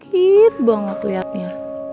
kekit banget liatnya